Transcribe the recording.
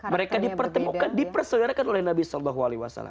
mereka dipertemukan dipersaudarakan oleh nabi saw